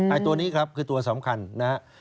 ตัวนี้ครับคือตัวสำคัญนะครับ